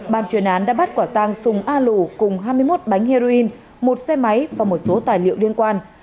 bàn chuyển án đã bắt quả tàng súng a lũ cùng hai mươi một bánh heroin một xe máy và một số tài liệu liên quan